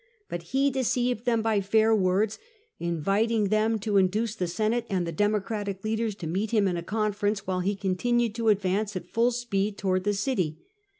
But he deceived them by fair words, inviting them to induce the Senate and the Democratic leaders to meet him in a conference, while he continued to advance at full speed towards the city.